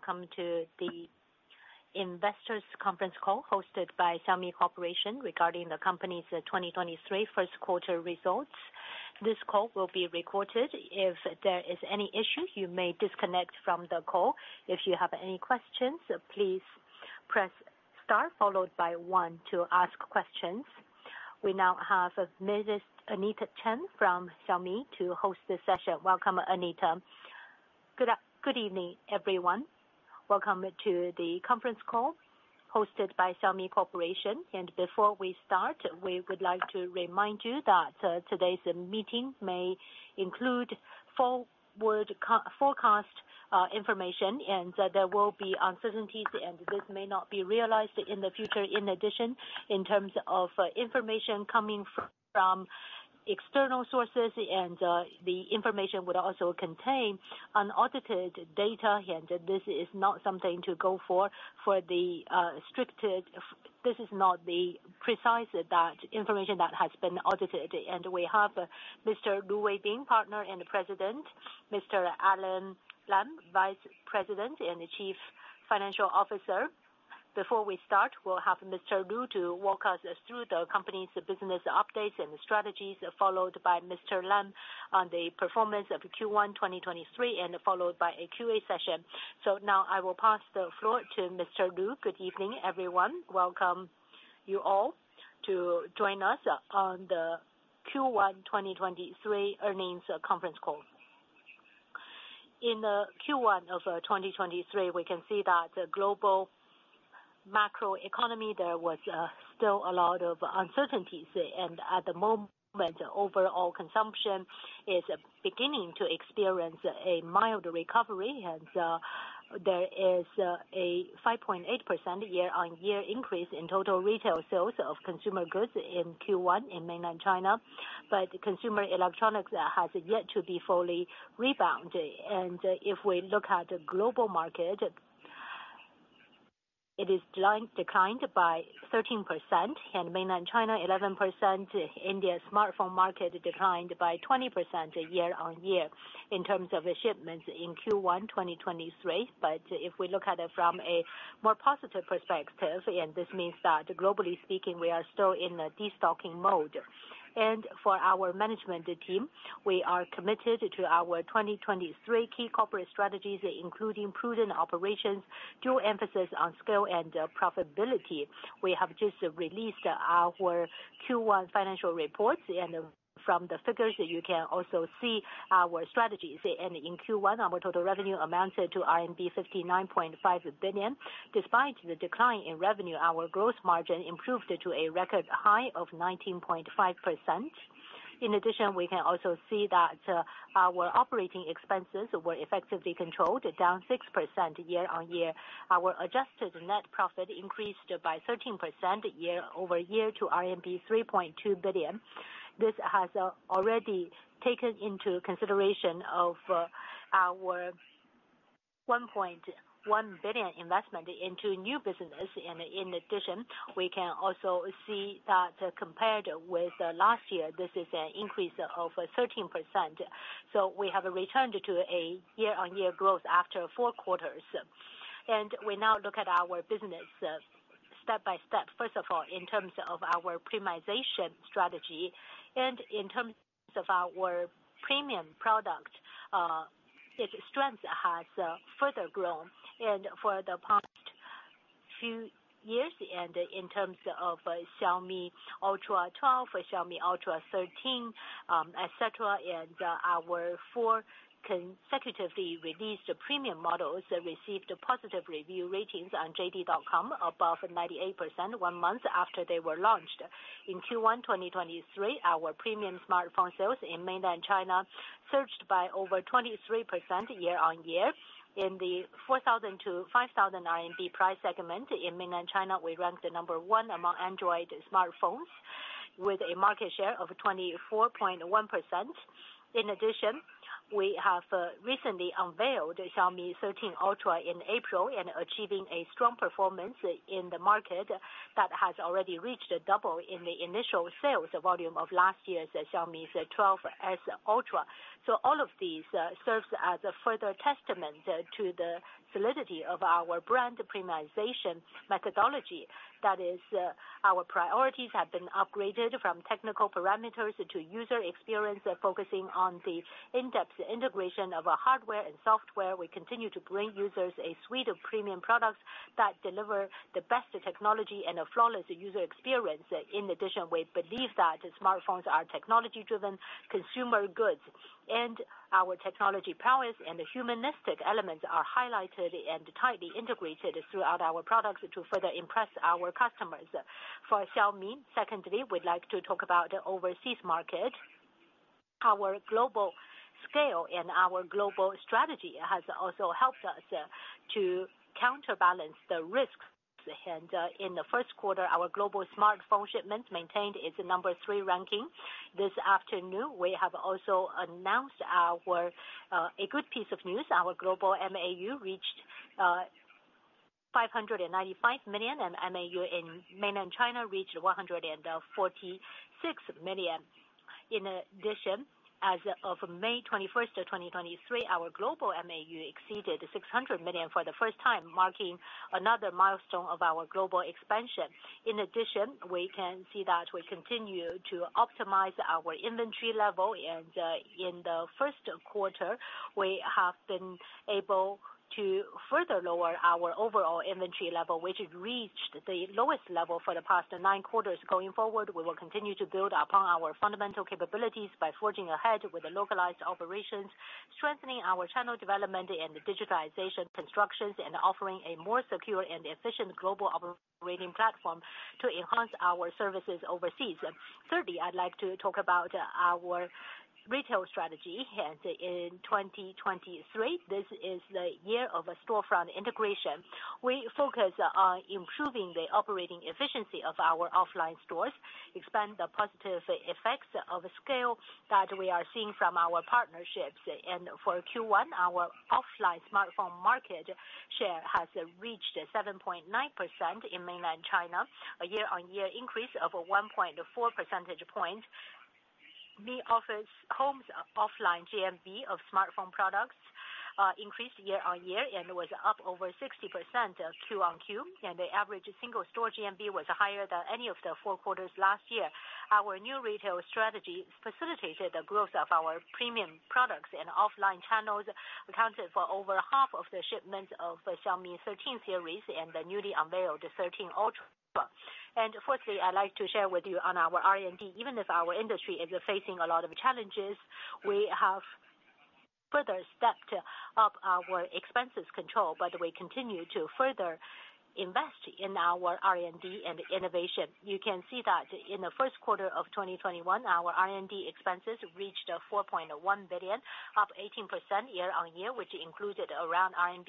Welcome to the investors conference call hosted by Xiaomi Corporation regarding the company's 2023 first quarter results. This call will be recorded. If there is any issue, you may disconnect from the call. If you have any questions, please press star followed by one to ask questions. We now have Anita Chan from Xiaomi to host this session. Welcome, Anita. Good evening, everyone. Welcome to the conference call hosted by Xiaomi Corporation. Before we start, we would like to remind you that today's meeting may include forward forecast information, and there will be uncertainties, and this may not be realized in the future. In addition, in terms of information coming from external sources, the information would also contain unaudited data, and this is not something to go for for the restricted. This is not the precise information that has been audited. We have Mr. Lu Weibing, Partner and President, Mr. Alain Lam, Vice President and Chief Financial Officer. Before we start, we'll have Mr. Lu to walk us through the company's business updates and strategies, followed by Mr. Lam on the performance of Q1 2023, and followed by a Q&A session. Now I will pass the floor to Mr. Lu. Good evening, everyone. Welcome you all to join us on the Q1 2023 earnings conference call. In Q1 of 2023, we can see that the global macro economy, there was still a lot of uncertainties. At the moment, overall consumption is beginning to experience a mild recovery. There is a 5.8% year-on-year increase in total retail sales of consumer goods in Q1 in mainland China. Consumer electronics has yet to be fully rebound. If we look at the global market, it is declined by 13% and mainland China 11%. India smartphone market declined by 20% year-on-year in terms of the shipments in Q1 2023. If we look at it from a more positive perspective, this means that globally speaking, we are still in a destocking mode. For our management team, we are committed to our 2023 key corporate strategies, including prudent operations, dual emphasis on scale and profitability. We have just released our Q1 financial reports. From the figures you can also see our strategies. In Q1, our total revenue amounted to RMB 59.5 billion. Despite the decline in revenue, our gross margin improved to a record high of 19.5%. We can also see that our operating expenses were effectively controlled, down 6% year-over-year. Our adjusted net profit increased by 13% year-over-year to RMB 3.2 billion. This has already taken into consideration of our 1.1 billion investment into new business. We can also see that compared with last year, this is an increase of 13%. We have returned to a year-over-year growth after four quarters. We now look at our business step by step. First of all, in terms of our premiumization strategy and in terms of our premium product, its strength has further grown and for the past few years and in terms of Xiaomi Ultra 12 or Xiaomi Ultra 13, et cetera, and our four consecutively released premium models received positive review ratings on JD.com above 98% one month after they were launched. In Q1 2023, our premium smartphone sales in mainland China surged by over 23% year-on-year. In the 4,000-5,000 RMB price segment in mainland China, we ranked the number one among Android smartphones with a market share of 24.1%. In addition, we have recently unveiled Xiaomi 13 Ultra in April and achieving a strong performance in the market that has already reached double in the initial sales volume of last year's Xiaomi 12S Ultra. All of these serves as a further testament to the solidity of our brand premiumization methodology. That is, our priorities have been upgraded from technical parameters to user experience, focusing on the in-depth integration of our hardware and software. We continue to bring users a suite of premium products that deliver the best technology and a flawless user experience. In addition, we believe that smartphones are technology driven consumer goods, and our technology prowess and humanistic elements are highlighted and tightly integrated throughout our products to further impress our customers. For Xiaomi, secondly, we'd like to talk about the overseas market. Our global scale and our global strategy has also helped us to counterbalance the risks. In the first quarter, our global smartphone shipments maintained its number three ranking. This afternoon, we have also announced our a good piece of news. Our global MAU reached 595 million and MAU in Mainland China reached 146 million. As of May 21st of 2023, our global MAU exceeded 600 million for the first time, marking another milestone of our global expansion. We can see that we continue to optimize our inventory level. In the first quarter, we have been able to further lower our overall inventory level, which it reached the lowest level for the past nine quarters. Going forward, we will continue to build upon our fundamental capabilities by forging ahead with the localized operations, strengthening our channel development and digitalization constructions, and offering a more secure and efficient global operating platform to enhance our services overseas. Thirdly, I'd like to talk about our retail strategy. In 2023, this is the year of a storefront integration. We focus on improving the operating efficiency of our offline stores, expand the positive effects of scale that we are seeing from our partnerships. For Q1, our offline smartphone market share has reached 7.9% in Mainland China, a year-on-year increase of 1.4 percentage points. Mi Office Home's offline GMV of smartphone products increased year-on-year and was up over 60% Q-on-Q. The average single store GMV was higher than any of the four quarters last year. Our new retail strategy facilitated the growth of our premium products and offline channels, accounted for over half of the shipments of the Xiaomi 13 series and the newly unveiled 13 Ultra. Fourthly, I'd like to share with you on our R&D. Even if our industry is facing a lot of challenges, we have further stepped up our expenses control, but we continue to further invest in our R&D and innovation. You can see that in the first quarter of 2021, our R&D expenses reached 4.1 billion, up 18% year-on-year, which included around 1.1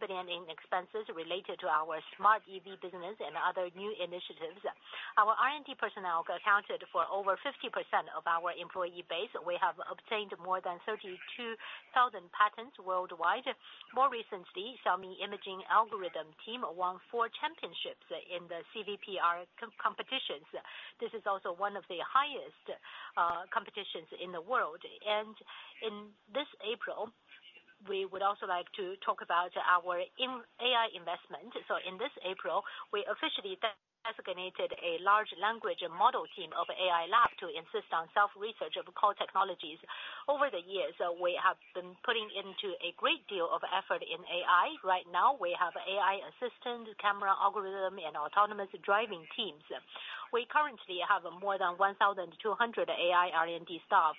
billion in expenses related to our smart EV business and other new initiatives. Our R&D personnel accounted for over 50% of our employee base. We have obtained more than 32,000 patents worldwide. More recently, Xiaomi imaging algorithm team won four championships in the CVPR competitions. This is also one of the highest competitions in the world. In this April, we would also like to talk about our AI investment. In this April, we officially designated a large language model team of AI Lab to insist on self-research of core technologies. Over the years, we have been putting into a great deal of effort in AI. Right now, we have AI assistant camera algorithm and autonomous driving teams. We currently have more than 1,200 AI R&D staff.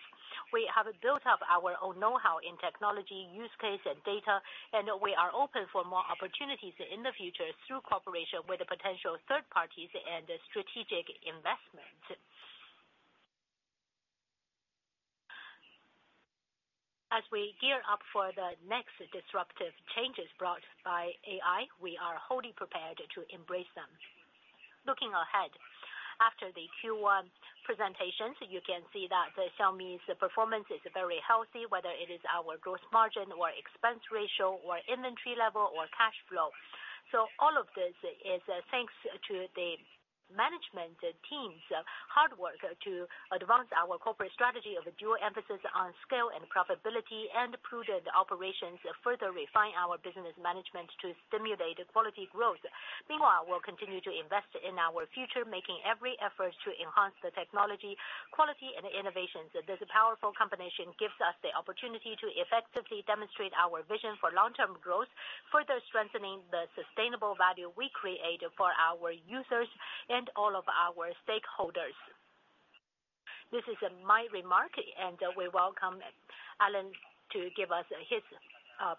We have built up our own knowhow in technology, use case, and data, and we are open for more opportunities in the future through cooperation with the potential third parties and strategic investments. As we gear up for the next disruptive changes brought by AI, we are wholly prepared to embrace them. Looking ahead, after the Q1 presentations, you can see that the Xiaomi's performance is very healthy, whether it is our gross margin, or expense ratio, or inventory level, or cash flow. All of this is thanks to the management team's hard work to advance our corporate strategy of a dual emphasis on scale and profitability and prudent operations to further refine our business management to stimulate quality growth. Meanwhile, we'll continue to invest in our future, making every effort to enhance the technology, quality, and innovations. This powerful combination gives us the opportunity to effectively demonstrate our vision for long-term growth, further strengthening the sustainable value we create for our users and all of our stakeholders. This is my remark, and we welcome Alain to give us his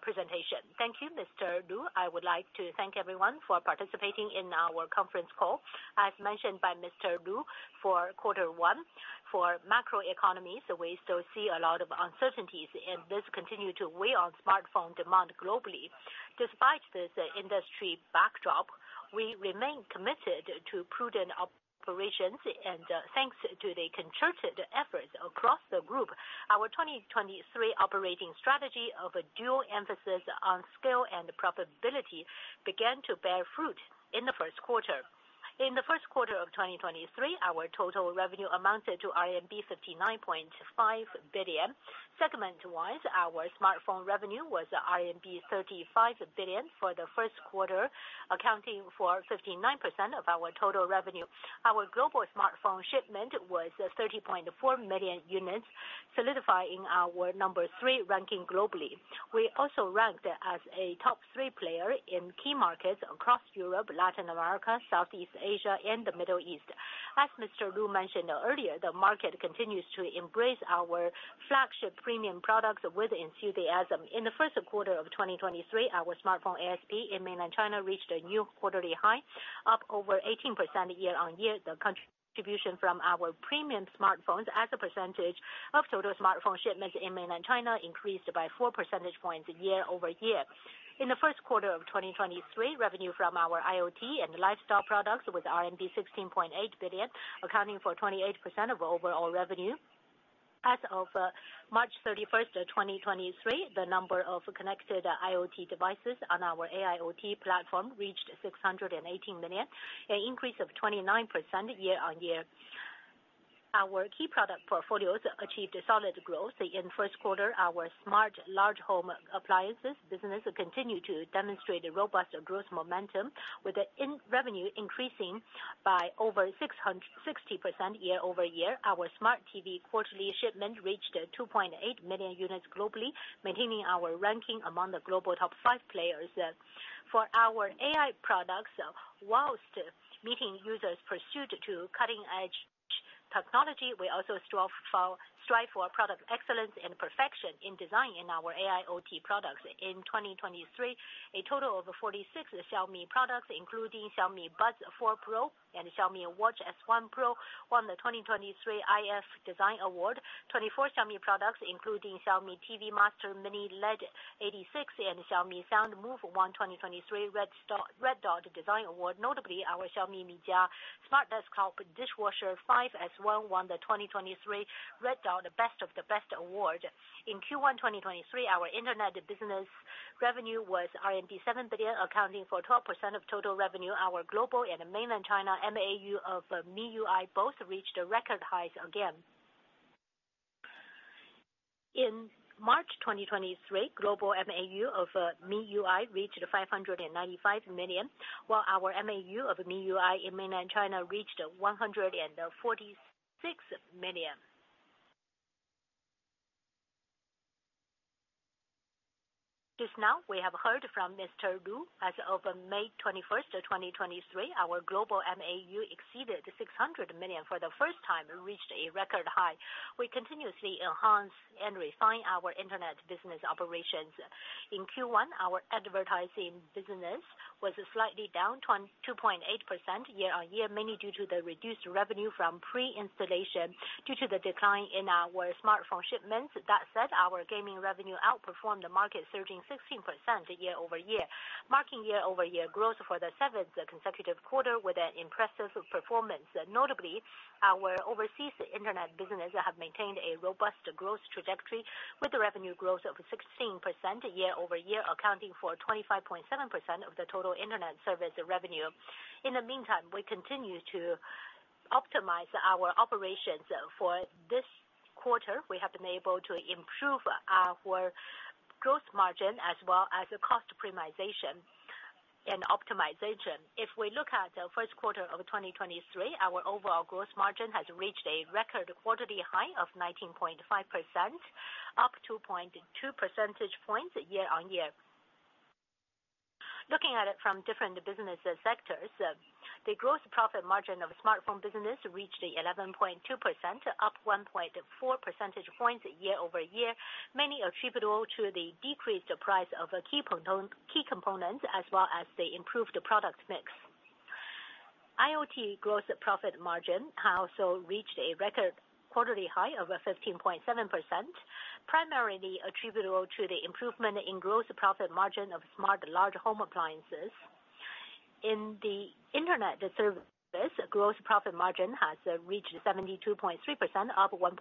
presentation. Thank you, Mr. Lu. I would like to thank everyone for participating in our conference call. As mentioned by Mr. Lu, for quarter one, for macroeconomy, so we still see a lot of uncertainties, and this continue to weigh on smartphone demand globally. Despite this industry backdrop, we remain committed to prudent operations. Thanks to the concerted efforts across the group, our 2023 operating strategy of a dual emphasis on scale and profitability began to bear fruit in the first quarter. In the first quarter of 2023, our total revenue amounted to RMB 59.5 billion. Segment-wise, our smartphone revenue was RMB 35 billion for the first quarter, accounting for 59% of our total revenue. Our global smartphone shipment was 30.4 million units, solidifying our number three ranking globally. We also ranked as a top three player in key markets across Europe, Latin America, Southeast Asia, and the Middle East. As Mr. Lu mentioned earlier, the market continues to embrace our flagship premium products with enthusiasm. In the first quarter of 2023, our smartphone ASP in Mainland China reached a new quarterly high, up over 18% year-on-year. The contribution from our premium smartphones as a percentage of total smartphone shipments in Mainland China increased by 4 percentage points year-over-year. In the first quarter of 2023, revenue from our IoT and lifestyle products was 16.8 billion, accounting for 28% of overall revenue. As of March 31st, 2023, the number of connected IoT devices on our AIoT platform reached 618 million, an increase of 29% year-on-year. Our key product portfolios achieved a solid growth. In first quarter, our smart large home appliances business continued to demonstrate a robust growth momentum with revenue increasing by over 60% year-over-year. Our smart TV quarterly shipment reached 2.8 million units globally, maintaining our ranking among the global top five players. For our AI products, whilst meeting users' pursuit to cutting edge technology, we also strive for product excellence and perfection in design in our AIoT products. In 2023, a total of 46 Xiaomi products, including Xiaomi Buds 4 Pro and Xiaomi Watch S1 Pro, won the 2023 iF Design Award. 24 Xiaomi products, including Xiaomi TV Master 86-inch Mini LED and Xiaomi Sound Move won 2023 Red Dot Design Award. Notably, our Xiaomi Mijia Smart Desktop Dishwasher S1 won the 2023 Red Dot: Best of the Best Award. In Q1 2023, our internet business revenue was RMB 7 billion, accounting for 12% of total revenue. Our global and Mainland China MAU of MIUI both reached a record high again. In March 2023, global MAU of MIUI reached 595 million, while our MAU of MIUI in Mainland China reached 146 million. Just now, we have heard from Mr. Lu. As of May 21st, 2023, our global MAU exceeded 600 million for the first time and reached a record high. We continuously enhance and refine our internet business operations. In Q1, our advertising business was slightly down 22.8% year-on-year, mainly due to the reduced revenue from pre-installation due to the decline in our smartphone shipments. That said, our gaming revenue outperformed the market, surging 16% year-over-year, marking year-over-year growth for the 7th consecutive quarter with an impressive performance. Notably, our overseas internet business have maintained a robust growth trajectory with revenue growth of 16% year-over-year, accounting for 25.7% of the total internet service revenue. We continue to optimize our operations. For this quarter, we have been able to improve our gross margin as well as cost optimization. Our overall gross margin has reached a record quarterly high of 19.5%, up 2.2 percentage points year-on-year. Looking at it from different business sectors, the gross profit margin of smartphone business reached 11.2%, up 1.4 percentage points year-over-year, mainly attributable to the decreased price of key components as well as the improved product mix. IoT gross profit margin has also reached a record quarterly high of 15.7%, primarily attributable to the improvement in gross profit margin of smart large home appliances. In the internet service, gross profit margin has reached 72.3%, up 1.5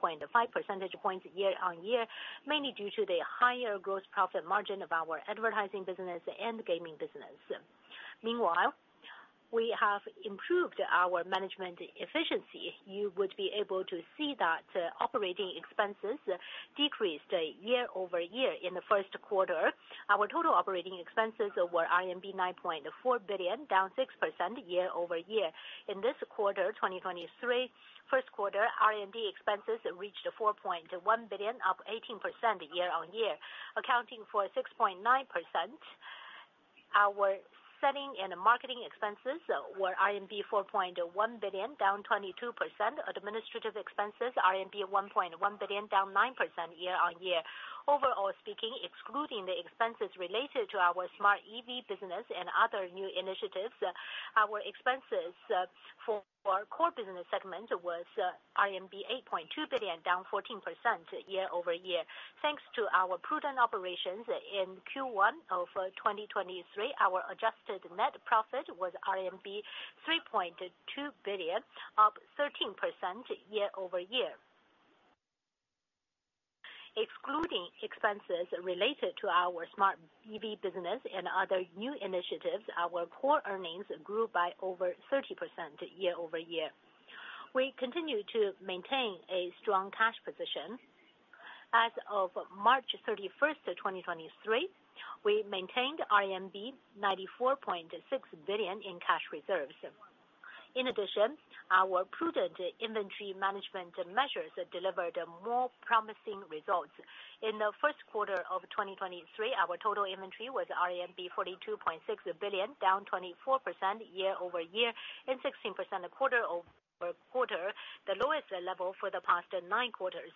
percentage points year-over-year, mainly due to the higher gross profit margin of our advertising business and gaming business. We have improved our management efficiency. You would be able to see that operating expenses decreased year-over-year in the first quarter. Our total operating expenses were RMB 9.4 billion, down 6% year-over-year. In this quarter, 2023, first quarter, R&D expenses reached 4.1 billion, up 18% year-over-year, accounting for 6.9%. Our selling and marketing expenses were RMB 4.1 billion, down 22%. Administrative expenses RMB 1.1 billion, down 9% year-over-year. Overall speaking, excluding the expenses related to our smart EV business and other new initiatives, our expenses for our core business segment was RMB 8.2 billion, down 14% year-over-year. Thanks to our prudent operations in Q1 of 2023, our adjusted net profit was RMB 3.2 billion, up 13% year-over-year. Excluding expenses related to our smart EV business and other new initiatives, our core earnings grew by over 30% year-over-year. We continue to maintain a strong cash position. As of March 31st, 2023, we maintained RMB 94.6 billion in cash reserves. In addition, our prudent inventory management measures delivered more promising results. In the first quarter of 2023, our total inventory was RMB 42.6 billion, down 24% year-over-year and 16% quarter-over-quarter, the lowest level for the past nine quarters.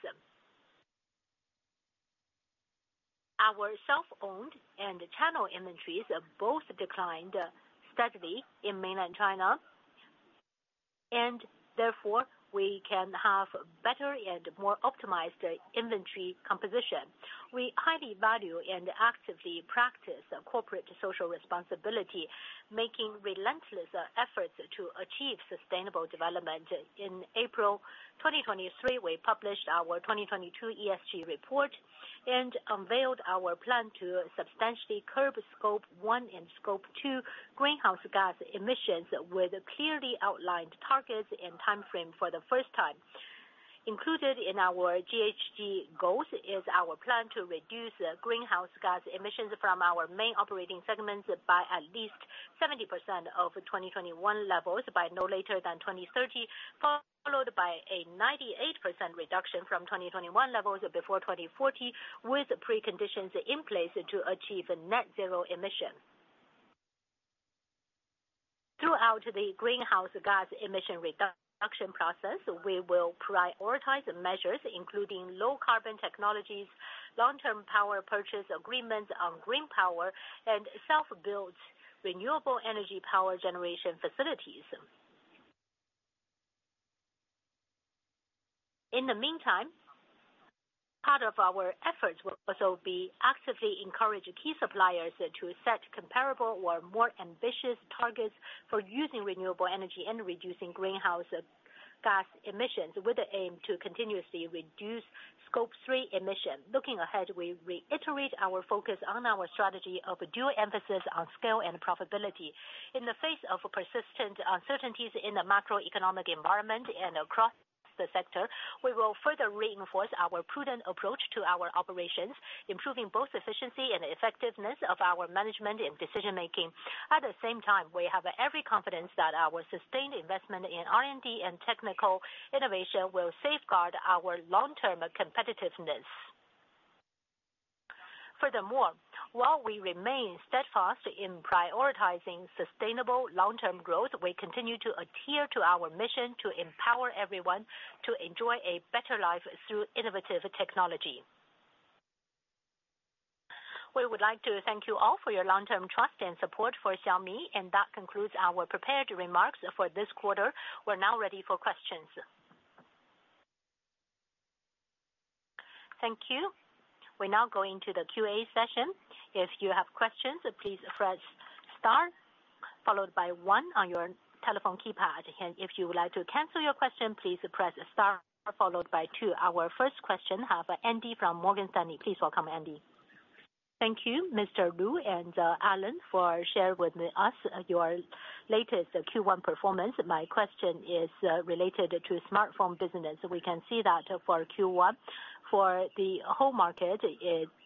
Our self-owned and channel inventories both declined steadily in mainland China. Therefore, we can have better and more optimized inventory composition. We highly value and actively practice corporate social responsibility, making relentless efforts to achieve sustainable development. In April 2023, we published our 2022 ESG report and unveiled our plan to substantially curb Scope 1 and Scope 2 greenhouse gas emissions with clearly outlined targets and time frame for the first time. Included in our GHG goals is our plan to reduce greenhouse gas emissions from our main operating segments by at least 70% of 2021 levels by no later than 2030, followed by a 98% reduction from 2021 levels before 2040, with preconditions in place to achieve net zero emission. Throughout the greenhouse gas emission reduction process, we will prioritize measures including low carbon technologies, long-term power purchase agreements on green power, and self-built renewable energy power generation facilities. In the meantime, part of our efforts will also be actively encourage key suppliers to set comparable or more ambitious targets for using renewable energy and reducing greenhouse gas emissions with the aim to continuously reduce Scope 3 emission. Looking ahead, we reiterate our focus on our strategy of dual emphasis on scale and profitability. In the face of persistent uncertainties in the macroeconomic environment and across the sector, we will further reinforce our prudent approach to our operations, improving both efficiency and effectiveness of our management and decision making. At the same time, we have every confidence that our sustained investment in R&D and technical innovation will safeguard our long-term competitiveness. Furthermore, while we remain steadfast in prioritizing sustainable long-term growth, we continue to adhere to our mission to empower everyone to enjoy a better life through innovative technology. We would like to thank you all for your long-term trust and support for Xiaomi, and that concludes our prepared remarks for this quarter. We're now ready for questions. Thank you. We're now going to the QA session. If you have questions, please press star followed by one on your telephone keypad. If you would like to cancel your question, please press star followed by two. Our first question, have Andy from Morgan Stanley. Please welcome Andy. Thank you Mr. Lu and Alain, for share with us your latest Q1 performance. My question is, related to smartphone business. We can see that for Q1 for the whole market,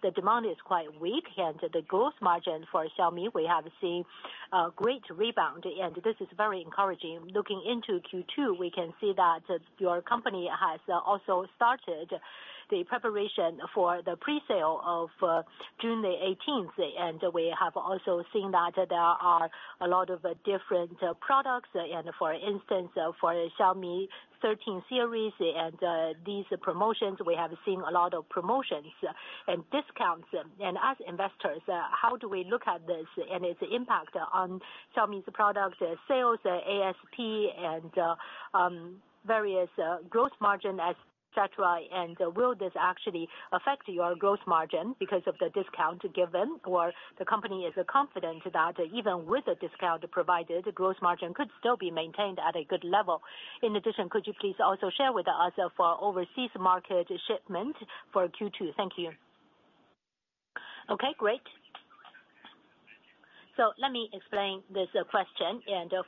the demand is quite weak and the gross margin for Xiaomi, we have seen a great rebound and this is very encouraging. Looking into Q2, we can see that your company has also started the preparation for the presale of June the 18th. We have also seen that there are a lot of different products. For instance, for Xiaomi 13 series and these promotions, we have seen a lot of promotions and discounts. As investors, how do we look at this and its impact on Xiaomi's product sales, ASP and various gross margin, et cetera. Will this actually affect your gross margin because of the discount given or the company is confident that even with the discount provided, gross margin could still be maintained at a good level. In addition, could you please also share with us for overseas market shipment for Q2? Thank you. Okay, great. Let me explain this question.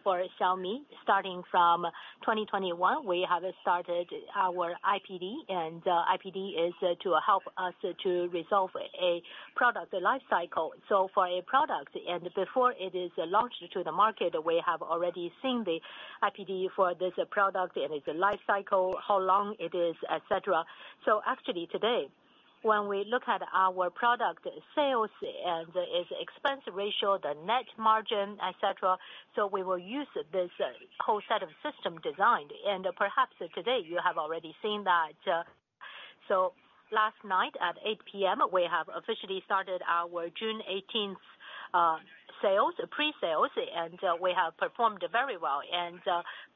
For Xiaomi, starting from 2021, we have started our IPD, and IPD is to help us to resolve a product life cycle. For a product and before it is launched to the market, we have already seen the IPD for this product and its life cycle, how long it is, et cetera. Actually today, when we look at our product sales and its expense ratio, the net margin, et cetera, we will use this whole set of system design. Perhaps today you have already seen that. Last night at 8:00 P.M. we have officially started our June 18th sales, presales, and we have performed very well.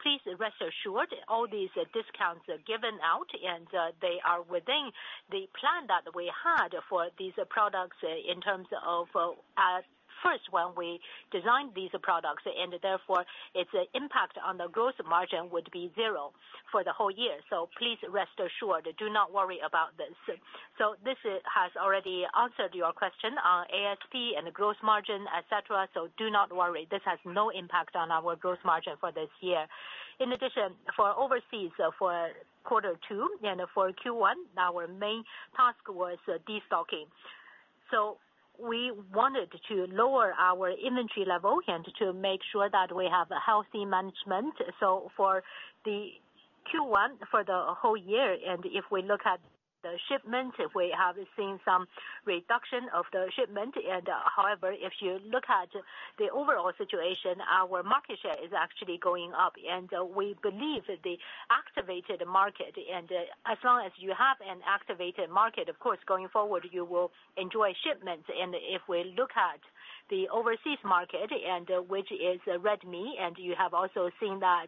Please rest assured all these discounts are given out and they are within the plan that we had for these products in terms of first when we designed these products. Therefore its impact on the gross margin would be 0 for the whole year. Please rest assured, do not worry about this. This has already answered your question on ASP and gross margin, et cetera. Do not worry, this has no impact on our gross margin for this year. In addition, for overseas, for quarter two and for Q1, our main task was destocking. We wanted to lower our inventory level and to make sure that we have a healthy management. For the Q1 for the whole year and if we look at the shipment, we have seen some reduction of the shipment. However, if you look at the overall situation, our market share is actually going up. We believe the activated market and as long as you have an activated market, of course going forward you will enjoy shipments. If we look at the overseas market and which is Redmi, and you have also seen that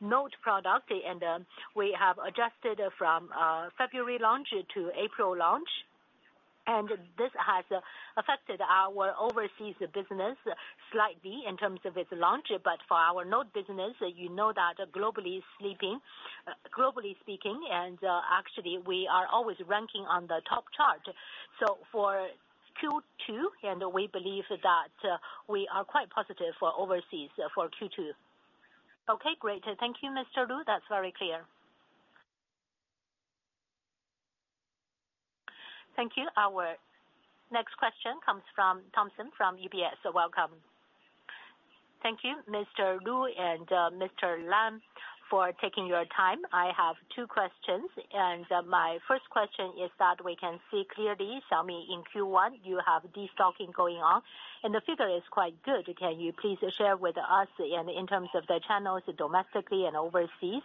Note product. We have adjusted from February launch to April launch, and this has affected our overseas business slightly in terms of its launch. For our Note business, you know that globally speaking, actually we are always ranking on the top chart. For Q2, we believe that we are quite positive for overseas for Q2. Okay, great. Thank you, Mr. Lu. That's very clear. Thank you. Our next question comes from Thompson from UBS. Welcome. Thank you, Mr. Lu and Mr. Lam for taking your time. I have two questions. My first question is that we can see clearly Xiaomi in Q1, you have destocking going on, and the figure is quite good. Can you please share with us in terms of the channels domestically and overseas?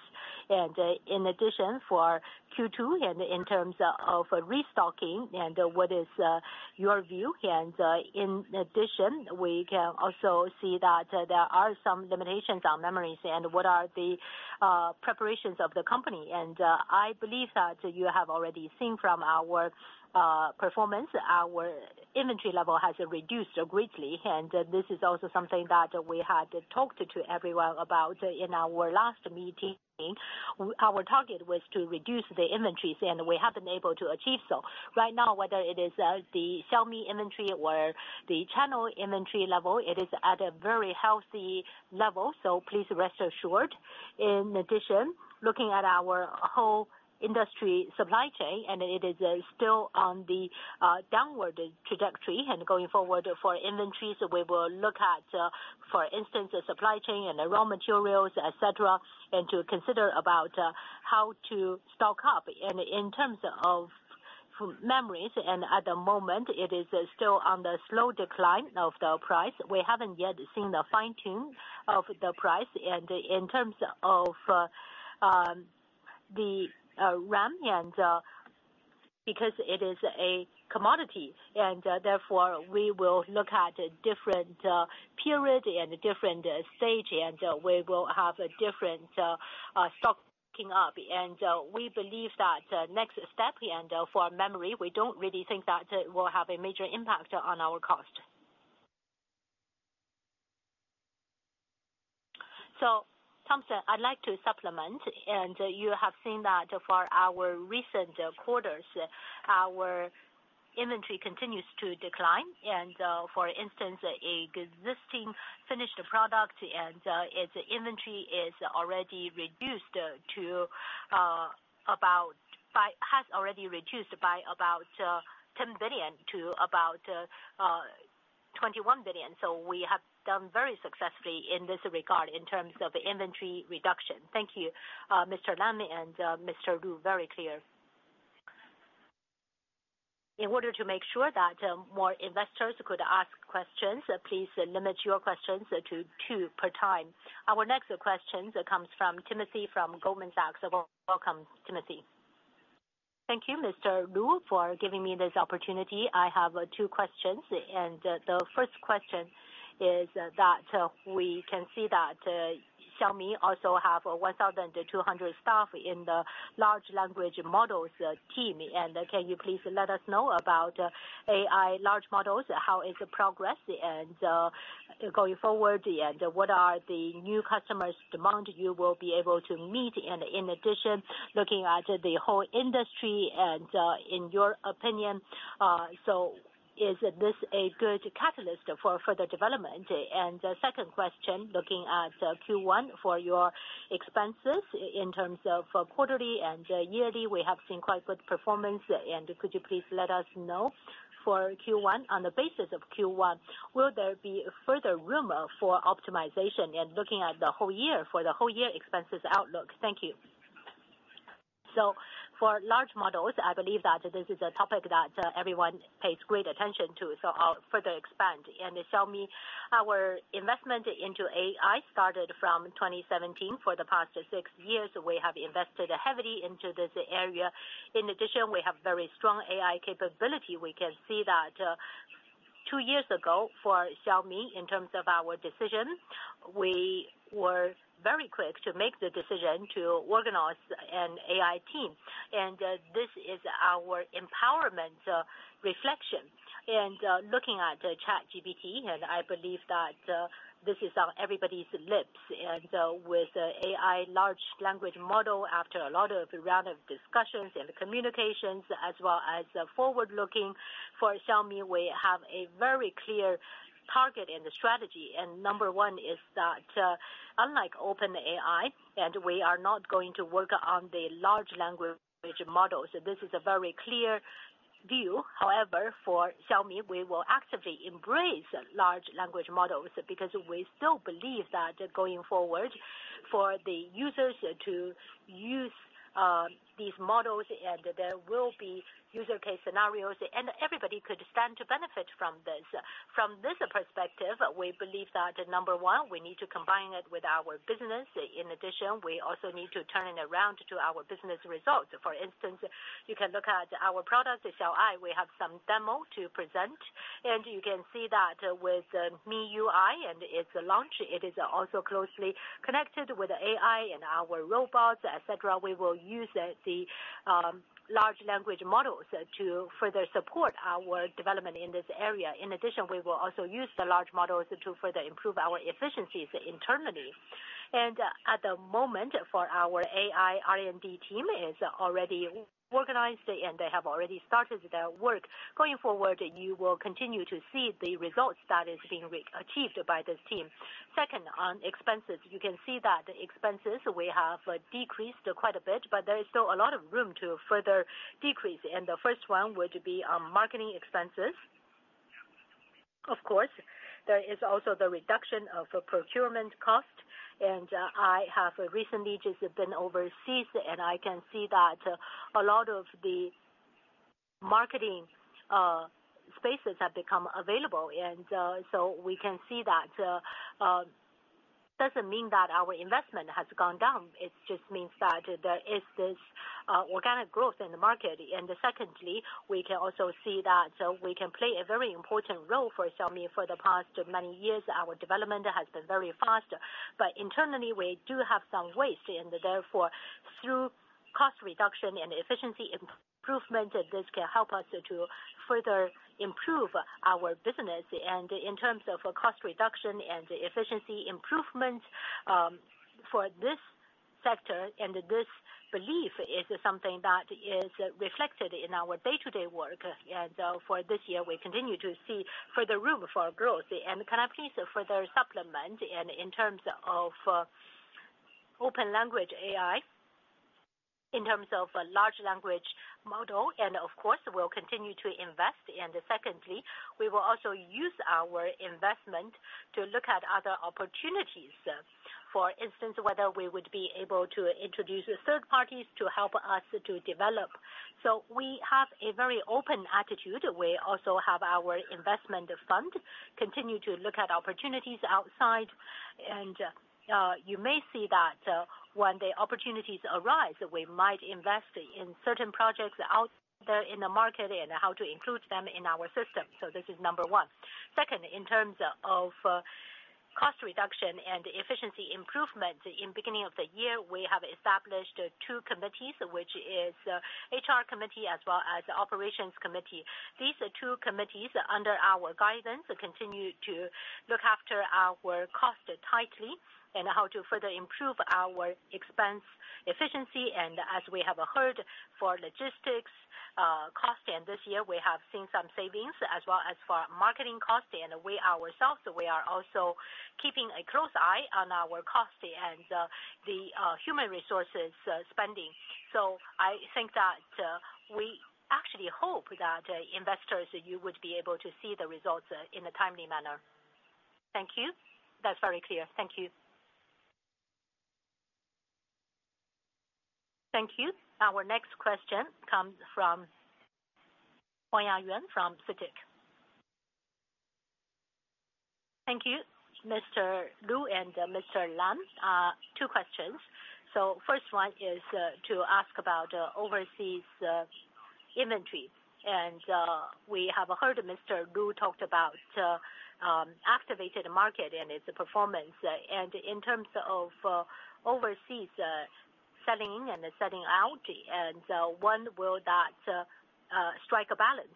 In addition for Q2 and in terms of restocking and what is your view? In addition, we can also see that there are some limitations on memories and what are the preparations of the company. I believe that you have already seen from our performance, our inventory level has reduced greatly. This is also something that we had talked to everyone about in our last meeting. Our target was to reduce the inventories, and we have been able to achieve so. Right now, whether it is the Xiaomi inventory or the channel inventory level, it is at a very healthy level, so please rest assured. In addition, looking at our whole industry supply chain, it is still on the downward trajectory. Going forward for inventories, we will look at, for instance, the supply chain and the raw materials, et cetera, to consider about how to stock up. In terms of memories, and at the moment it is still on the slow decline of the price. We haven't yet seen the fine tune of the price. In terms of the RAM, because it is a commodity, and therefore we will look at different period and different stage, and we will have a different stocking up. We believe that next step and for memory, we don't really think that it will have a major impact on our cost. Thompson, I'd like to supplement. You have seen that for our recent quarters, our inventory continues to decline. For instance, existing finished product and its inventory has already reduced by about 10 billion to about 21 billion. We have done very successfully in this regard in terms of inventory reduction. Thank you, Mr. Lam and Mr. Lu. Very clear. In order to make sure that more investors could ask questions, please limit your questions to two per time. Our next question comes from Timothy from Goldman Sachs. Welcome, Timothy. Thank you, Mr. Lu, for giving me this opportunity. I have two questions. The first question is that we can see that Xiaomi also have 1,200 staff in the Large Language Model team. Can you please let us know about AI Large Language Models, how is the progress and going forward, and what are the new customers demand you will be able to meet? In addition, looking at the whole industry and in your opinion, so is this a good catalyst for further development? The second question, looking at Q1 for your expenses in terms of quarterly and yearly, we have seen quite good performance. Could you please let us know for Q1, on the basis of Q1, will there be further room for optimization and looking at the whole year for the whole year expenses outlook? Thank you. For large models, I believe that this is a topic that everyone pays great attention to. I'll further expand. In Xiaomi our investment into AI started from 2017. For the past six years we have invested heavily into this area. In addition, we have very strong AI capability. We can see that two years ago for Xiaomi in terms of our decision, we were very quick to make the decision to organize an AI team. This is our empowerment reflection. Looking at the ChatGPT, I believe that this is on everybody's lips. With AI Large Language Model, after a lot of round of discussions and communications as well as forward looking, for Xiaomi we have a very clear target and strategy. Number one is that, unlike OpenAI and we are not going to work on the Large Language Models, this is a very clear view. However, for Xiaomi, we will actively embrace Large Language Models because we still believe that going forward for the users to use these models, and there will be user case scenarios, and everybody could stand to benefit from this. From this perspective, we believe that number one, we need to combine it with our business. In addition, we also need to turn around to our business results. For instance, you can look at our products at Xiao Ai. We have some demo to present, and you can see that with MIUI and its launch, it is also closely connected with AI and our robots, et cetera. We will use the large language models to further support our development in this area. In addition, we will also use the large models to further improve our efficiencies internally. At the moment, for our AI R&D team is already organized and they have already started their work. Going forward, you will continue to see the results that is being re- achieved by this team. Second, on expenses, you can see that expenses we have decreased quite a bit, but there is still a lot of room to further decrease. The first one would be on marketing expenses. Of course, there is also the reduction of procurement cost, and I have recently just been overseas and I can see that a lot of the marketing spaces have become available. We can see that doesn't mean that our investment has gone down. It just means that there is this organic growth in the market. Secondly, we can also see that we can play a very important role for Xiaomi. For the past many years our development has been very fast. Internally we do have some waste and therefore, through cost reduction and efficiency improvement, this can help us to further improve our business. In terms of cost reduction and efficiency improvements, for this sector and this belief is something that is reflected in our day-to-day work. For this year we continue to see further room for growth and can actually further supplement. In terms of open language AI, in terms of a Large Language Model, and of course we'll continue to invest. Secondly, we will also use our investment to look at other opportunities. For instance, whether we would be able to introduce third parties to help us to develop. We have a very open attitude. We also have our investment fund, continue to look at opportunities outside. You may see that when the opportunities arise, we might invest in certain projects out there in the market and how to include them in our system. This is number one. Second, in terms of cost reduction and efficiency improvement, in beginning of the year, we have established two committees, which is HR committee as well as operations committee. These two committees, under our guidance, continue to look after our cost tightly and how to further improve our expense efficiency. As we have heard, for logistics cost, and this year we have seen some savings as well as for marketing cost. We ourselves, we are also keeping a close eye on our cost and the human resources spending. I think that we actually hope that investors, you would be able to see the results in a timely manner. Thank you. That's very clear. Thank you. Thank you. Our next question comes from Wang Yuan from CITIC. Thank you, Mr. Lu and Mr. Lam. Two questions. First one is to ask about overseas inventory. We have heard Mr. Lu talked about activated market and its performance. In terms of overseas selling and selling out, when will that strike a balance?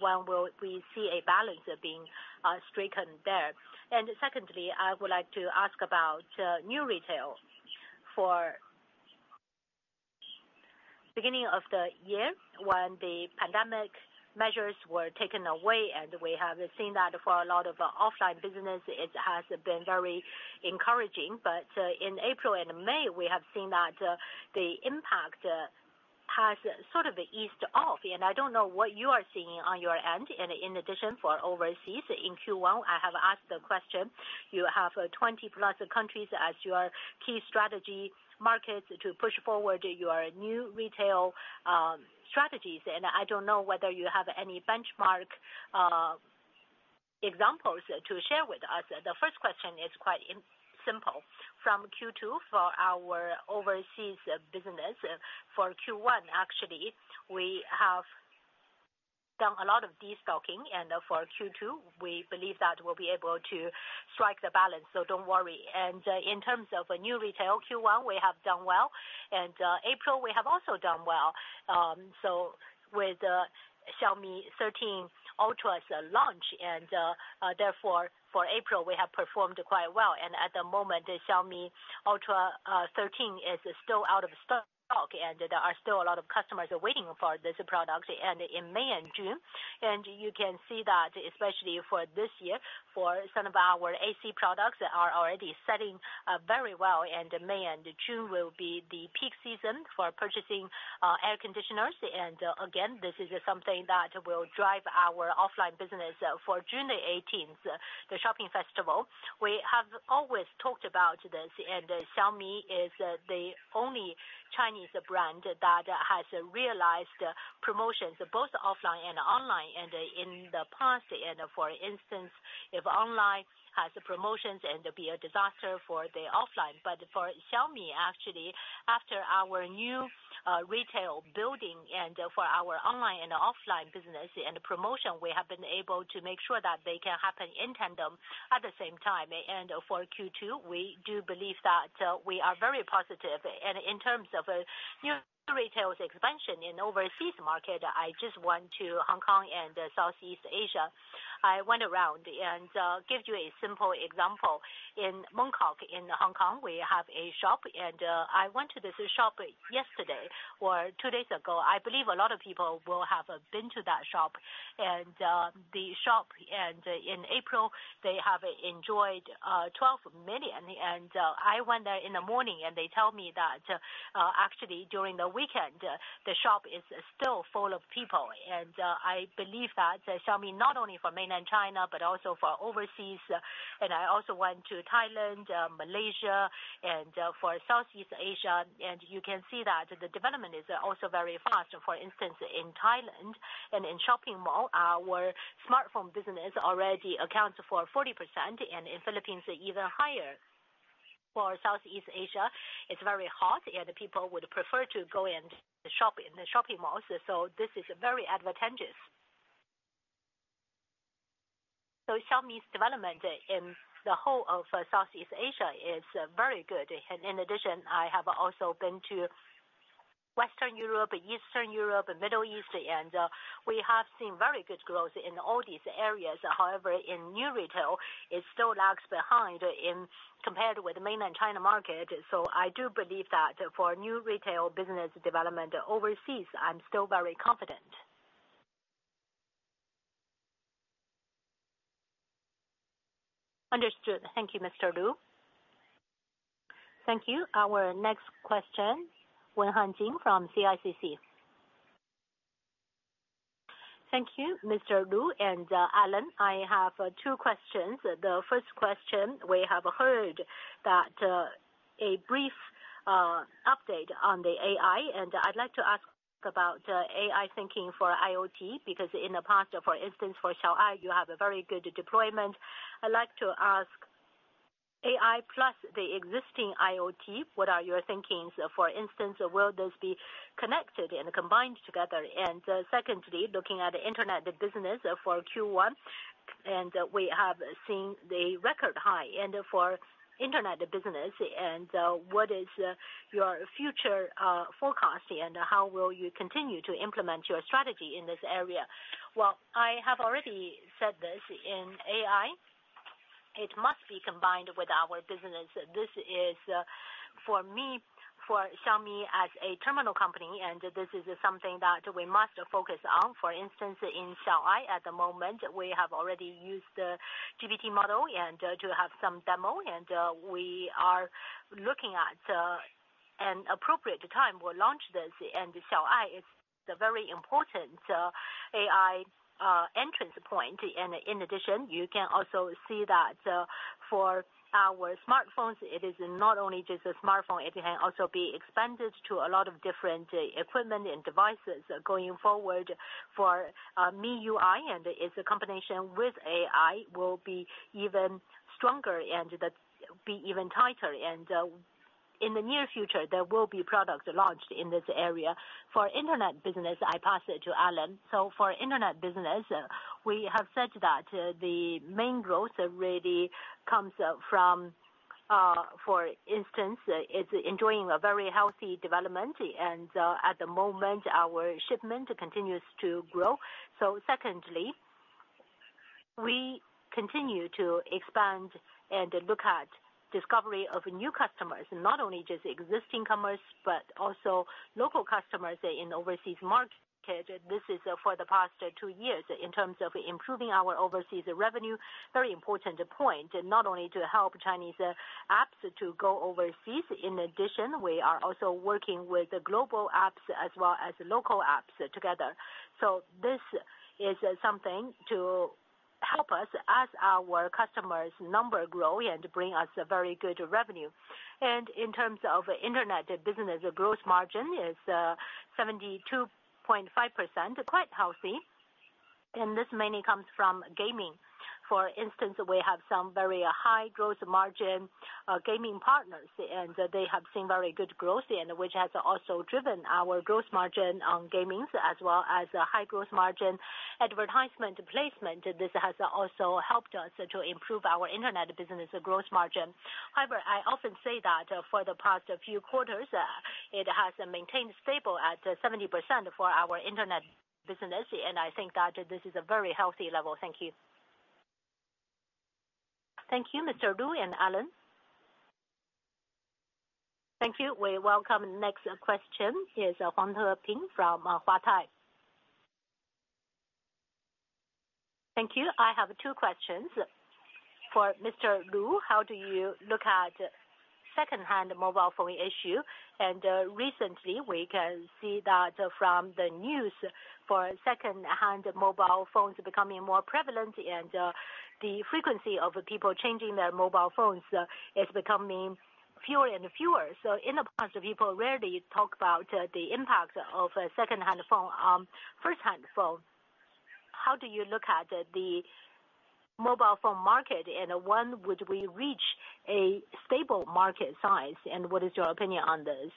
When will we see a balance being stricken there? Secondly, I would like to ask about new retail. For beginning of the year when the pandemic measures were taken away, we have seen that for a lot of offline business, it has been very encouraging. In April and May, we have seen that the impact has sort of eased off. I don't know what you are seeing on your end. In addition for overseas in Q1, I have asked the question, you have 20+ countries as your key strategy markets to push forward your new retail strategies. I don't know whether you have any benchmark examples to share with us. The first question is quite simple. From Q2 for our overseas business, for Q1 actually, we have done a lot of destocking for Q2 we believe that we'll be able to strike the balance, so don't worry. In terms of new retail, Q1 we have done well. April we have also done well. With Xiaomi 13 Ultra's launch and therefore for April we have performed quite well. At the moment, the Xiaomi Ultra 13 is still out of stock, and there are still a lot of customers waiting for this product. You can see that especially for this year, for some of our AC products are already selling very well in May and June will be the peak season for purchasing air conditioners. Again, this is something that will drive our offline business for June 18th, the Shopping Festival. We have always talked about this, Xiaomi is the only Chinese brand that has realized promotions both offline and online in the past. For instance, if online has promotions and be a disaster for the offline. For Xiaomi, actually after our new retail building and for our online and offline business and promotion, we have been able to make sure that they can happen in tandem at the same time. For Q2, we do believe that we are very positive. In terms of new retail expansion in overseas market, I just went to Hong Kong and Southeast Asia. I went around and give you a simple example. In Mong Kok in Hong Kong we have a shop. I went to this shop yesterday or two days ago. I believe a lot of people will have been to that shop. In April they have enjoyed 12 million. I went there in the morning and they tell me that actually during the weekend the shop is still full of people. I believe that Xiaomi not only for mainland China but also for overseas. I also went to Thailand, Malaysia and for Southeast Asia. You can see that the development is also very fast. For instance, in Thailand and in shopping mall, our smartphone business already accounts for 40% and in Philippines even higher. For Southeast Asia, it's very hot and people would prefer to go and shop in the shopping malls. This is very advantageous. Xiaomi's development in the whole of Southeast Asia is very good. In addition, I have also been to Western Europe, Eastern Europe and Middle East, and we have seen very good growth in all these areas. However, in new retail it still lags behind in compared with mainland China market. I do believe that for new retail business development overseas, I'm still very confident. Understood. Thank you, Mr. Lu. Thank you. Our next question, Wenhan Jin from CICC. Thank you, Mr. Lu and Alain, I have two questions. The first question, we have heard that, a brief, update on the AI. I'd like to ask about AI thinking for IoT, because in the past, for instance for Xiao Ai, you have a very good deployment. I'd like to ask AI plus the existing IoT, what are your thinkings? For instance, will this be connected and combined together? Secondly, looking at internet business for Q1, we have seen the record high for internet business. What is your future, forecast and how will you continue to implement your strategy in this area? Well, I have already said this. In AI, it must be combined with our business. This is for me, for Xiaomi as a terminal company, this is something that we must focus on. For instance, in Xiao Ai at the moment we have already used the GPT model and to have some demo, and we are looking at an appropriate time we'll launch this. Xiao Ai is a very important AI entrance point. In addition, you can also see that for our smartphones, it is not only just a smartphone, it can also be expanded to a lot of different equipment and devices going forward for MIUI, and it's a combination with AI will be even stronger and be even tighter. In the near future there will be products launched in this area. For internet business, I pass it to Alain. For internet business, we have said that the main growth really comes from, for instance, it's enjoying a very healthy development. At the moment our shipment continues to grow. Secondly, we continue to expand and look at discovery of new customers, not only just existing commerce, but also local customers in overseas market. This is for the past two years in terms of improving our overseas revenue. Very important point, not only to help Chinese apps to go overseas, in addition, we are also working with global apps as well as local apps together. This is something to help us as our customers number grow and bring us a very good revenue. In terms of internet business, gross margin is 72.5%, quite healthy. This mainly comes from gaming. For instance, we have some very high gross margin gaming partners, and they have seen very good growth and which has also driven our gross margin on gaming as well as high gross margin advertisement placement. This has also helped us to improve our internet business gross margin. However, I often say that for the past few quarters it has maintained stable at 70% for our internet business. I think that this is a very healthy level. Thank you. Thank you, Mr. Lu and Alain. Thank you. We welcome next question is Huang Leping from Huatai. Thank you. I have two questions. For Mr. Lu, how do you look at secondhand mobile phone issue? Recently we can see that from the news for secondhand mobile phones becoming more prevalent and the frequency of people changing their mobile phones is becoming fewer and fewer. In the past, people rarely talk about the impact of a secondhand phone, first-hand phone. How do you look at the mobile phone market? When would we reach a stable market size, and what is your opinion on this?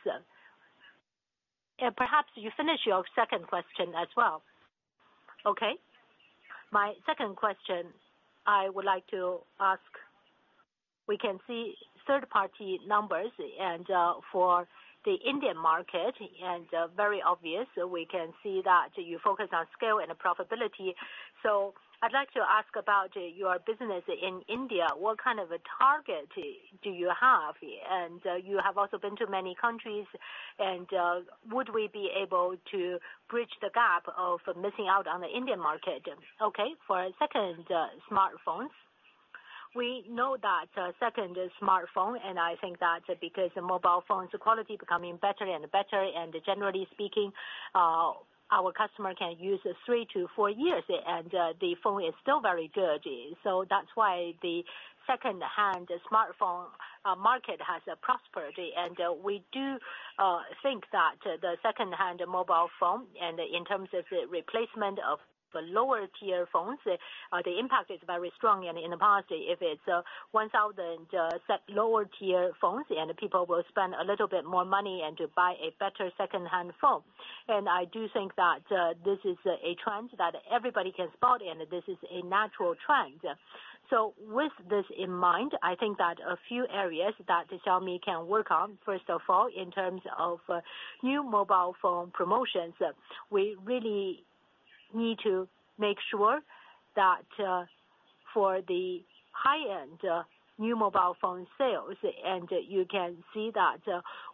Perhaps you finish your second question as well. Okay. My second question I would like to ask, we can see third-party numbers for the Indian market, very obvious, we can see that you focus on scale and profitability. I'd like to ask about your business in India. What kind of a target do you have? You have also been to many countries and would we be able to bridge the gap of missing out on the Indian market? Okay, for secondhand smartphones. We know that secondhand smartphone, and I think that's because mobile phones quality becoming better and better. Generally speaking, our customer can use 3 years-4 years and the phone is still very good. That's why the secondhand smartphone market has prospered. We do think that the secondhand mobile phone and in terms of replacement of the lower tier phones, the impact is very strong. In the past, if it's 1,000 lower tier phones and people will spend a little bit more money and to buy a better secondhand phone. I do think that this is a trend that everybody can spot and this is a natural trend. With this in mind, I think that a few areas that Xiaomi can work on, first of all, in terms of new mobile phone promotions, we really need to make sure that for the high-end new mobile phone sales, and you can see that,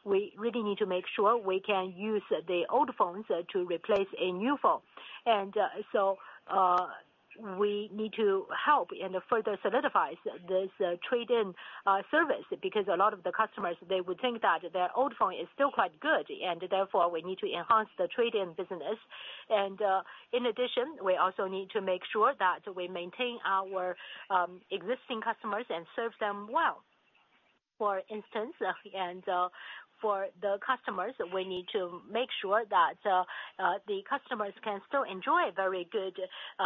we really need to make sure we can use the old phones to replace a new phone. We need to help and further solidifies this trade-in service because a lot of the customers, they would think that their old phone is still quite good. Therefore we need to enhance the trade-in business. In addition, we also need to make sure that we maintain our existing customers and serve them well. For instance, for the customers, we need to make sure that the customers can still enjoy very good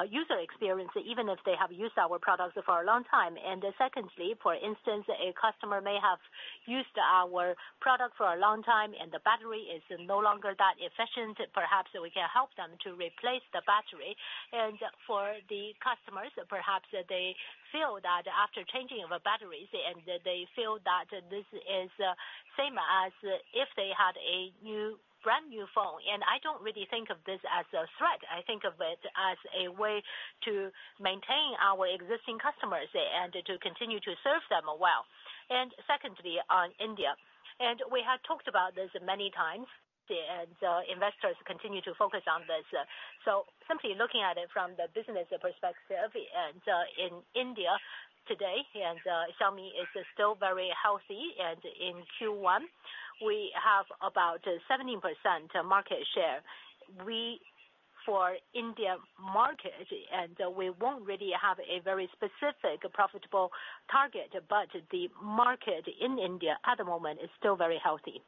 user experience even if they have used our products for a long time. Secondly, for instance, a customer may have used our product for a long time and the battery is no longer that efficient. Perhaps we can help them to replace the battery. For the customers, perhaps they feel that after changing of batteries and they feel that this is same as if they had a new, brand new phone. I don't really think of this as a threat. I think of it as a way to maintain our existing customers and to continue to serve them well. Secondly, on India, and we have talked about this many times. Investors continue to focus on this. Simply looking at it from the business perspective in India today, Xiaomi is still very healthy. In Q1 we have about 70% market share. We for India market and we won't really have a very specific profitable target, but the market in India at the moment is still very healthy.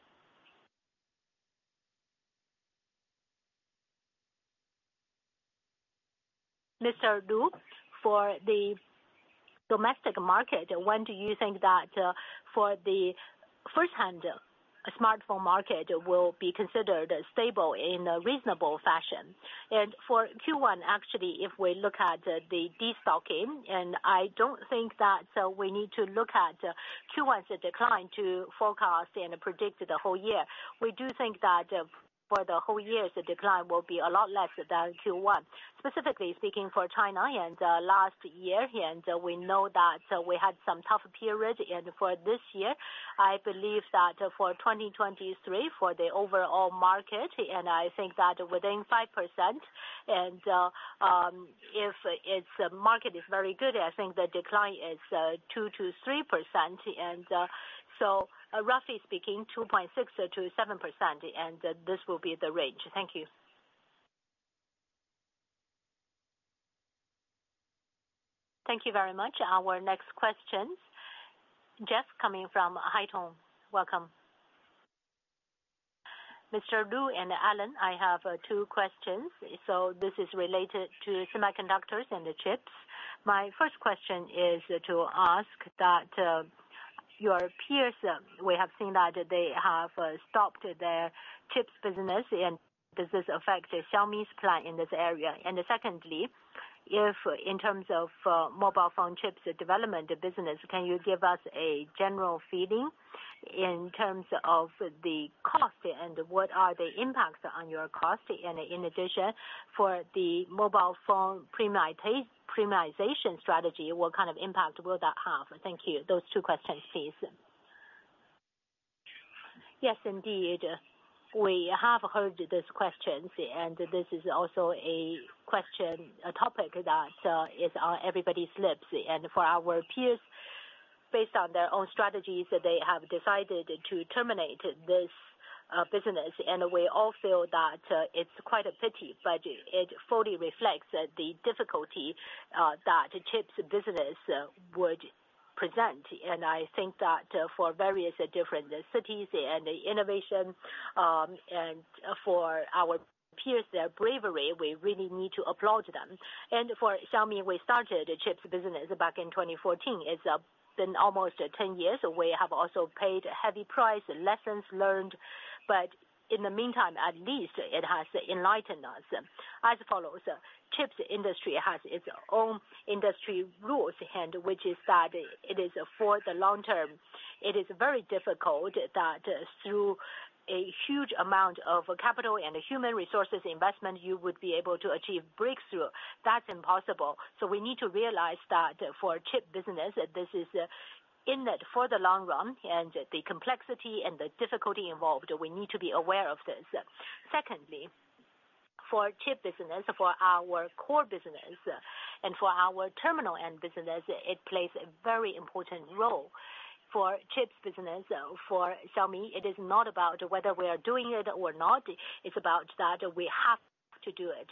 Mr. Lu, for the domestic market, when do you think that, for the first hand smartphone market will be considered stable in a reasonable fashion? For Q1, actually, if we look at the destocking, and I don't think that, we need to look at Q1's decline to forecast and predict the whole year. We do think that, for the whole year the decline will be a lot less than Q1. Specifically speaking for China, last year. We know that, we had some tough period. For this year, I believe that for 2023 for the overall market, and I think that within 5%, if it's market is very good, I think the decline is 2%-3%. Roughly speaking, 2.6%-7%. This will be the range. Thank you. Thank you very much. Our next question, Jeff, coming from Haitong. Welcome. Mr. Lu and Alain, I have two questions. This is related to semiconductors and the chips. My first question is to ask that your peers, we have seen that they have stopped their chips business. Does this affect Xiaomi's plan in this area? Secondly, if in terms of mobile phone chips development business, can you give us a general feeling in terms of the cost and what are the impacts on your cost? In addition, for the mobile phone premiumization strategy, what kind of impact will that have? Thank you. Those two questions please. Yes, indeed. We have heard these questions, and this is also a question, a topic that is on everybody's lips. For our peers, based on their own strategies, they have decided to terminate this business. We all feel that it's quite a pity, but it fully reflects the difficulty that chips business would present. I think that for various different cities and innovation, and for our peers, their bravery, we really need to applaud them. For Xiaomi, we started chips business back in 2014. It's been almost 10 years. We have also paid a heavy price, lessons learned, but in the meantime, at least it has enlightened us as follows. Chips industry has its own industry rules and which is that it is for the long term. It is very difficult that through a huge amount of capital and human resources investment, you would be able to achieve breakthrough. That's impossible. We need to realize that for chip business, this is in it for the long run and the complexity and the difficulty involved, we need to be aware of this. Secondly, for chip business, for our core business and for our terminal end business, it plays a very important role. For chips business, for Xiaomi, it is not about whether we are doing it or not. It's about that we have to do it.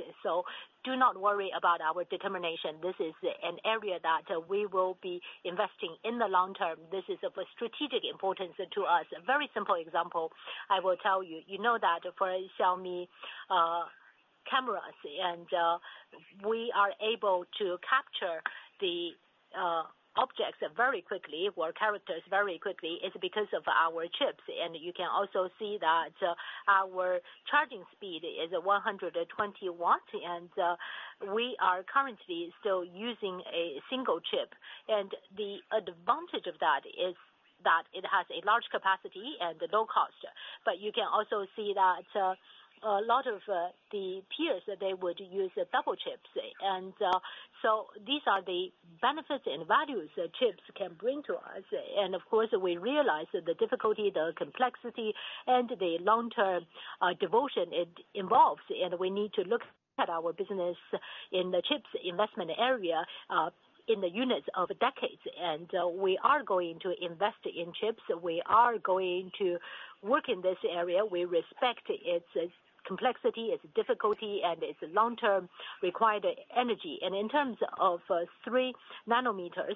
Do not worry about our determination. This is an area that we will be investing in the long term. This is of a strategic importance to us. A very simple example I will tell you. You know that for Xiaomi, cameras and we are able to capture the objects very quickly or characters very quickly. It's because of our chips. You can also see that our charging speed is 120 watts. We are currently still using a single chip. The advantage of that is that it has a large capacity and low cost. You can also see that a lot of the peers, they would use double chips. These are the benefits and values that chips can bring to us. Of course, we realize that the difficulty, the complexity and the long-term devotion it involves, and we need to look at our business in the chips investment area in the units of decades. We are going to invest in chips. We are going to work in this area. We respect its complexity, its difficulty, and its long-term required energy. In terms of three nanometers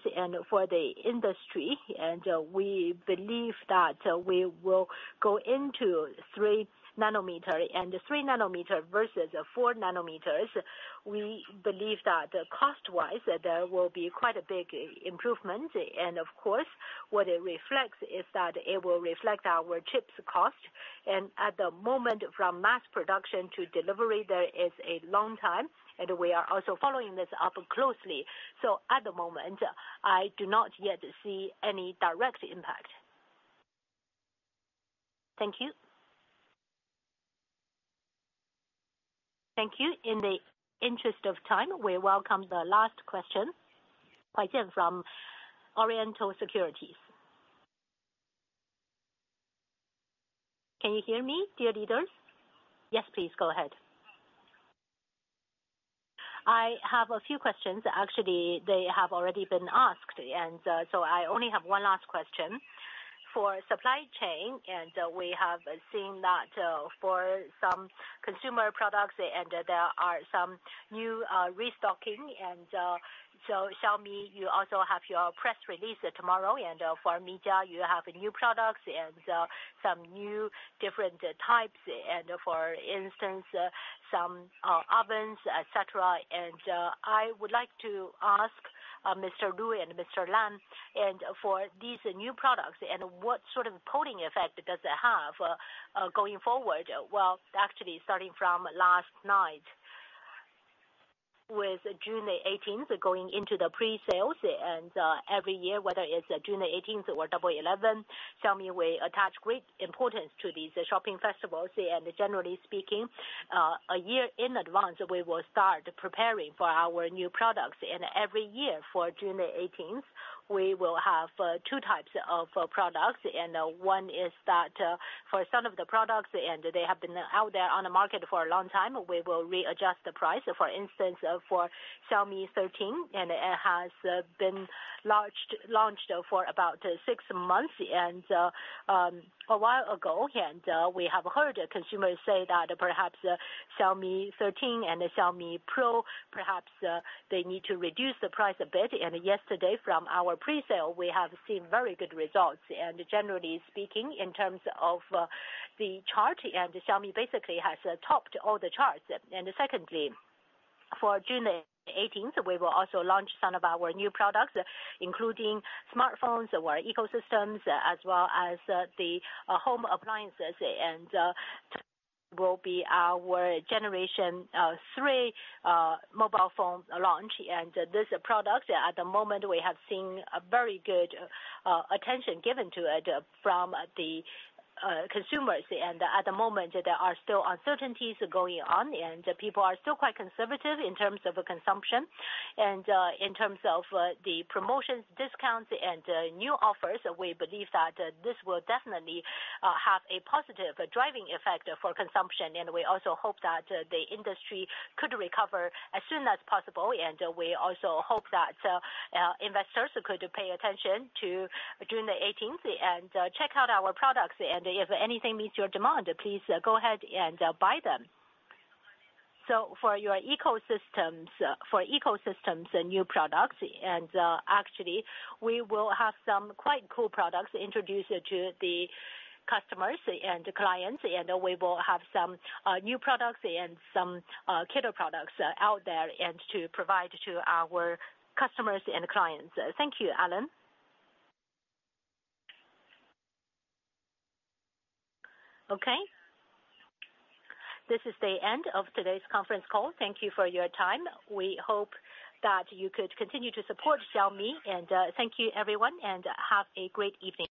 for the industry, we believe that we will go into three nanometer. Three nanometer versus four nanometers, we believe that cost-wise there will be quite a big improvement. Of course what it reflects is that it will reflect our chips cost. At the moment from mass production to delivery there is a long time and we are also following this up closely. At the moment I do not yet see any direct impact. Thank you. Thank you. In the interest of time, we welcome the last question from Oriental Securities. Can you hear me, dear leaders? Yes, please go ahead. I have a few questions. Actually, they have already been asked, I only have one last question. For supply chain, we have seen that for some consumer products, there are some new restocking. Xiaomi, you also have your press release tomorrow. For media you have new products, some new different types, for instance, some ovens, etc. I would like to ask Mr. Lu and Mr. Lam, for these new products, what sort of pulling effect does it have going forward? Well, actually starting from last night with June 18th going into the pre-sales. Every year, whether it's June 18th or Double Eleven, Xiaomi will attach great importance to these shopping festivals. Generally speaking, a year in advance, we will start preparing for our new products. Every year for June 18th we will have two types of products. One is that for some of the products, they have been out there on the market for a long time, we will readjust the price. For instance, for Xiaomi 13, it has been launched for about six months a while ago. We have heard consumers say that perhaps Xiaomi 13 and Xiaomi 13 Pro, perhaps they need to reduce the price a bit. Yesterday from our pre-sale we have seen very good results. Generally speaking, in terms of the chart, Xiaomi basically has topped all the charts. Secondly, for June 18th, we will also launch some of our new products, including smartphones, our ecosystems as well as the home appliances. Will be our generation 3 mobile phone launch. This product at the moment we have seen a very good attention given to it from the consumers. At the moment there are still uncertainties going on and people are still quite conservative in terms of consumption. In terms of the promotions, discounts and new offers we believe that this will definitely have a positive driving effect for consumption. We also hope that the industry could recover as soon as possible. We also hope that investors could pay attention to June 18th and check out our products. If anything meets your demand, please go ahead and buy them. For your ecosystems, for ecosystems and new products, and, actually we will have some quite cool products introduced to the customers and clients, and we will have some new products and some killer products out there and to provide to our customers and clients. Thank you, Alain. This is the end of today's conference call. Thank you for your time. We hope that you could continue to support Xiaomi. Thank you everyone and have a great evening.